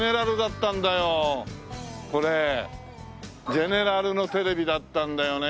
ゼネラルのテレビだったんだよね。